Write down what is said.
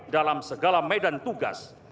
dalam segala medan tugas